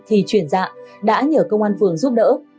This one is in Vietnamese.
thì chuyển dạng đã nhờ công an phường giúp đỡ